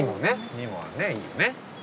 ニモはねいいよね。